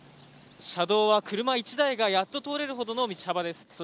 車道は車１台がやっと通れるほどの道幅です。